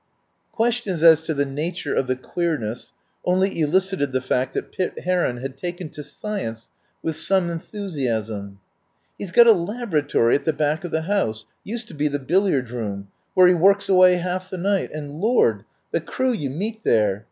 Questions as to the nature of the queerness only elicited the fact that Pitt Heron had taken to science with some enthusiasm. "He has got a laboratory at the back of the house — used to be the billiard room — where he works away half the night. And Lord! The crew you meet there!